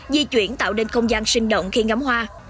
di chuyển tạo nên không gian sinh động khi ngắm hoa